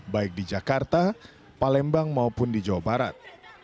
baik di jakarta palembang maupun di jawa barat